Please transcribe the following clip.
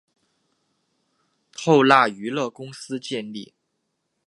透纳娱乐公司建立。